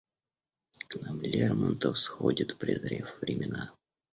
К нам Лермонтов сходит, презрев времена.